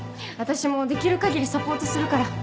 私もできる限りサポートするから。